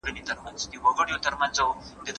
سوداګري له مناسب پلان پرته یوازې یو خوب دی.